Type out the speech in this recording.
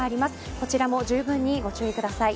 こちらも、じゅうぶんにご注意ください。